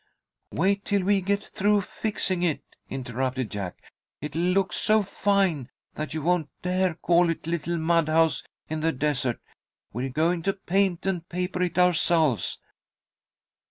"Wait till we get through fixing it," interrupted Jack. "It'll look so fine that you won't dare call it little mud house in the desert. We're going to paint and paper it ourselves."